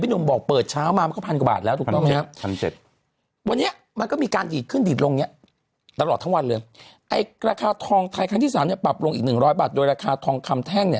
พันกว่าบาทในการที่วันนี้ส่วนได้ส่วนเสียทองกันอ่ะ